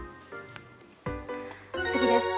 次です。